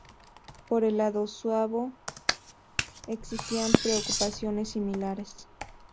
Por el lado suabo existían preocupaciones similares.